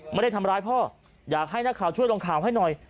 ไม่ได้ทำร้ายพ่ออยากให้นักข่าวช่วยลงข่าวให้หน่อย